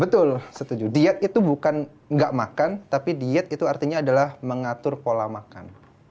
betul setuju diet itu bukan nggak makan tapi diet itu artinya adalah mengatur pola makan